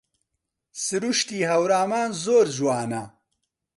سرووشتی هەورامان زۆر جوانە